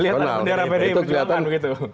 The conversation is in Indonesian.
lihatlah bendera pdi perjuangan begitu